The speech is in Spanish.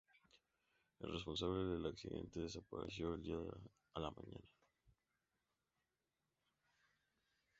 El responsable del accidente desapareció del día a la mañana.